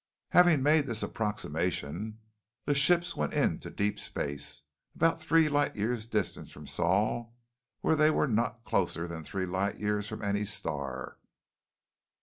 "Having made this approximation, the ships went into deep space, about three light years distant from Sol where they were not closer than three light years from any star.